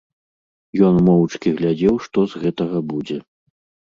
Ён моўчкі глядзеў, што з гэтага будзе.